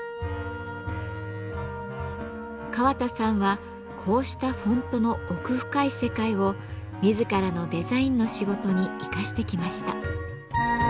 川田さんはこうしたフォントの奥深い世界を自らのデザインの仕事に生かしてきました。